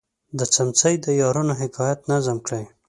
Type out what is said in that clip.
د څمڅې د یارانو حکایت نظم کړی.